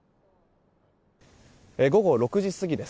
午後６時過ぎです。